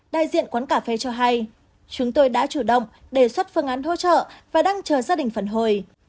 đại diện quán cà phê cho hay chúng tôi đã chủ động đề xuất phương án hỗ trợ và đang chờ gia đình phản hồi